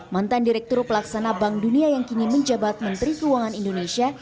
mantan direktur pelaksana bank dunia yang kini menjabat menteri keuangan indonesia